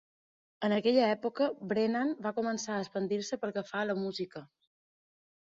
En aquella època, Brennan va començar a expandir-se pel que fa a la música.